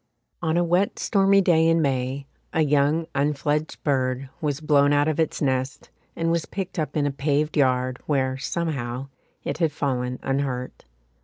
On a wet stormy day in May a young unfledged bird was blown out of its nest and was picked up in a paved yard where, somehow, it had fallen unhurt.